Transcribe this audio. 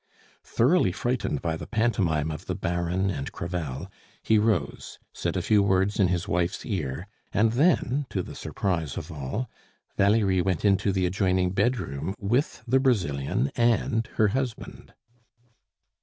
Thoroughly frightened by the pantomime of the Baron and Crevel, he rose, said a few words in his wife's ear, and then, to the surprise of all, Valerie went into the adjoining bedroom with the Brazilian and her husband.